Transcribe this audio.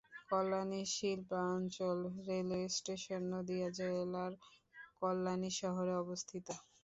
Kalyani Shilpanchal railway station Nadia জেলার কল্যাণী শহরে অবস্থিত।